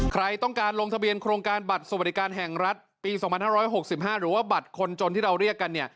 ใครต้องการลงทะเบียนโครงการบัตรสวัสดิการแห่งรัฐปี๒๕๖๕หรือว่าบัตรคนจนที่เราเรียกกัน